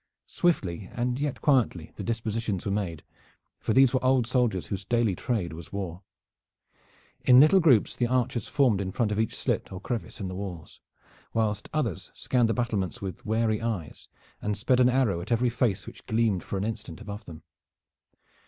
Swiftly and yet quietly the dispositions were made, for these were old soldiers whose daily trade was war. In little groups the archers formed in front of each slit or crevice in the walls, whilst others scanned the battlements with wary eyes, and sped an arrow at every face which gleamed for an instant above them.